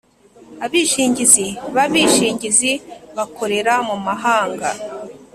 Abishingizi b abishingizi bakorera mu mahanga